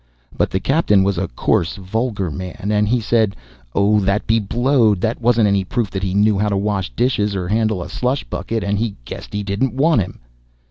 But the captain was a coarse, vulgar man, and he said, "Oh, that be blowed! that wasn't any proof that he knew how to wash dishes or handle a slush bucket, and he guessed he didn't want him."